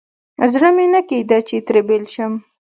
زړه مې نه کېده چې ترې بېل شم.